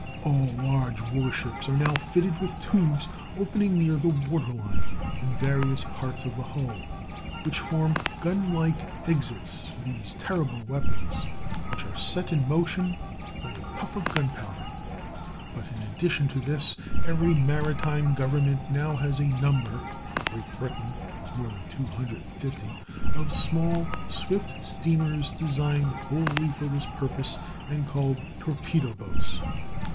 ] All large war ships are now fitted with tubes, opening near the water line in various parts of the hull, which form gun like exits for these terrible weapons, which are set in motion by a puff of gunpowder; but in addition to this every maritime government now has a number (Great Britain has more than 250) of small, swift steamers designed wholly for this purpose and called torpedo boats.